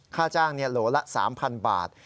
ค่าจ้างโหลละ๓๐๐บาท